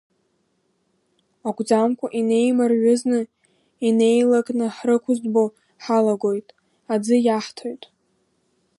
Акәӡамкәа инеимарҩызны, инеилакны ҳрықәыӡбо ҳалагоит, аӡы иаҳҭоит.